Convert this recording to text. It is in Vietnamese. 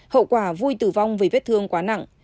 hậu quả vui tử vong vì vết thương quá nặng